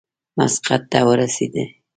مسقط ته ورسېدی.